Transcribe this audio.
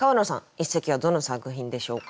一席はどの作品でしょうか。